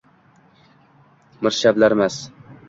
Mirshablarmas